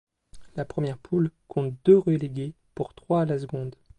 La première poule compte deux relégués pour trois à la seconde.